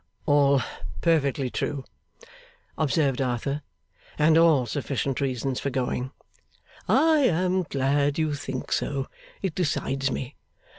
'All perfectly true,' observed Arthur, 'and all sufficient reasons for going.' 'I am glad you think so; it decides me.